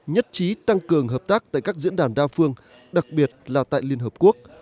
nhất trí tăng cường hợp tác tại các diễn đàn đa phương đặc biệt là tại liên hợp quốc